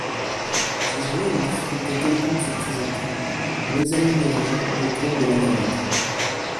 Si jamais une difficulté quelconque se présentait, nous l’examinerions au cours de la navette.